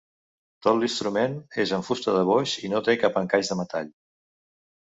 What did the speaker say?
Tot l’instrument és de fusta de boix i no té cap encaix de metall.